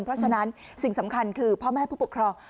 เพราะฉะนั้นสิ่งสำคัญคือพ่อแม่ผู้ปกครอง